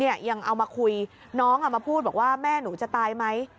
ยังเอามาคุยน้องเอามาพูดบอกว่าแม่หนูจะตายไหม